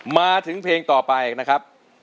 มาถึงเพลงต่อไปนะครับ